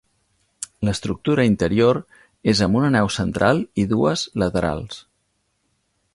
L'estructura interior és amb una nau central i dues laterals.